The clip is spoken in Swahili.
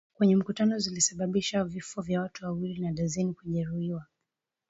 kwenye mkutano zilisababisha vifo vya watu wawili na dazeni kujeruhiwa